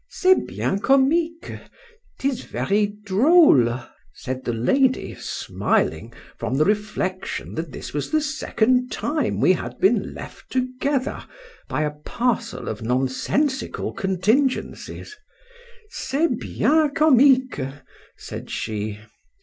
C'EST bien comique, 'tis very droll, said the lady, smiling, from the reflection that this was the second time we had been left together by a parcel of nonsensical contingencies,—c'est bien comique, said she.